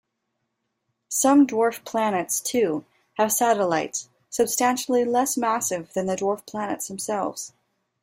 Some dwarf planets, too, have satellites substantially less massive than the dwarf planets themselves.